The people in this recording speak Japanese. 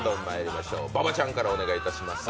馬場ちゃんからお願いいたします。